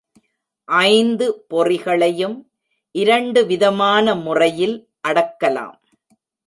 ஐந்து பொறிகளையும் இரண்டு விதமான முறையில் அடக்கலாம்.